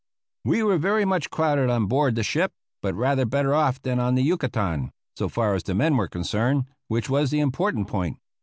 We were very much crowded on board the ship, but rather better off than on the Yucatan, so far as the men were concerned, which was the important point.